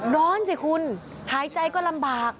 ร้อนสิคุณหายใจก็ลำบาก